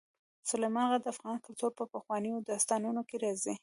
سلیمان غر د افغان کلتور په پخوانیو داستانونو کې راځي.